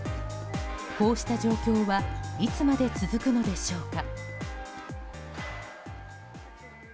こうした状況はいつまで続くのでしょうか。